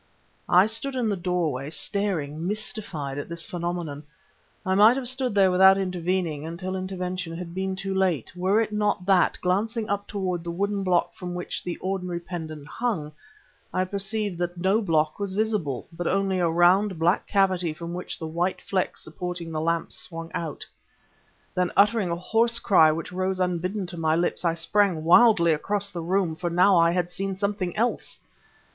I stood in the doorway staring, mystified, at this phenomenon; I might have stood there without intervening, until intervention had been too late, were it not that, glancing upward toward the wooden block from which ordinarily the pendant hung, I perceived that no block was visible, but only a round, black cavity from which the white flex supporting the lamp swung out. Then, uttering a horse cry which rose unbidden to my lips, I sprang wildly across the room ... for now I had seen something else!